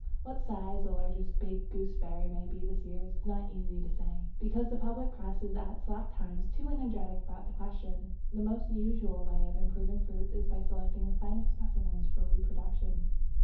What size the largest big gooseberry may be this year is not very easy to say, because the public Press is at slack times too energetic about the question. The most usual way of improving fruits is by selecting the finest specimens for reproduction.